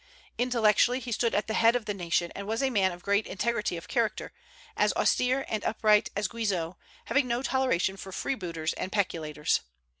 Intellectually he stood at the head of the nation, and was a man of great integrity of character, as austere and upright as Guizot, having no toleration for freebooters and peculators.